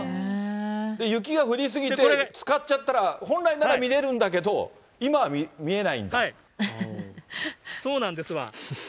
雪が降り過ぎてつかっちゃったら、本来なら見れるんだけど、そうなんですわ。